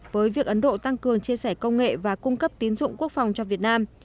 với việc ấn độ tăng cường chia sẻ công nghệ và cung cấp tín dụng quốc phòng cho việt nam